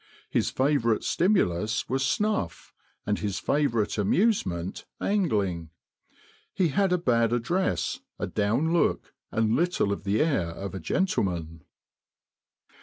His favourite stimulus was snuff, and his favourite amusement angling. He had a bad address, a down look, and little of the air of a gentleman."